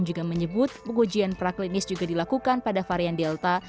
juga menyebut pengujian praklinis juga dilakukan pada varian delta